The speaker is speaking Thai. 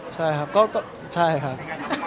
ใช่ครับก็ใช่ครับ